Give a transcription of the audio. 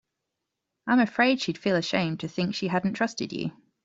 I'm afraid she'd feel ashamed to think she hadn't trusted you.